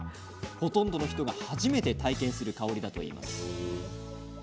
ほとんどの人が初めて体験する香りだといいます。